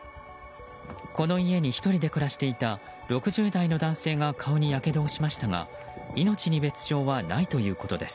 この家に１人で暮らしていた６０代の男性が顔にやけどをしましたが命に別条はないということです。